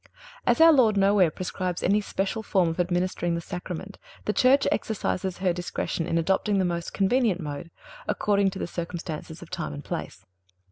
As our Lord nowhere prescribes any special form of administering the Sacrament, the Church exercises her discretion in adopting the most convenient mode, according to the circumstances of time and place.